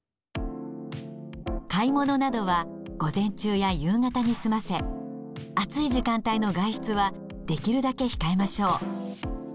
買い物などは午前中や夕方に済ませ暑い時間帯の外出はできるだけ控えましょう。